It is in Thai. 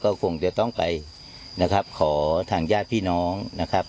ก็คงจะต้องไปนะครับขอทางญาติพี่น้องนะครับ